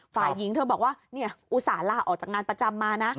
ฝ่ายหญิงเธอบอกว่าอุตส่าห์ลาออกจากงานประจำมานะ